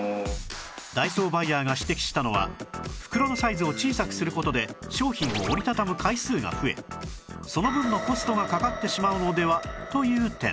ダイソーバイヤーが指摘したのは袋のサイズを小さくする事で商品を折り畳む回数が増えその分のコストがかかってしまうのでは？という点